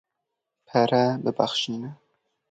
Pere bibexşîne.